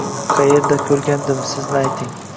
Qqayerda ko‘rgandim sizni ayting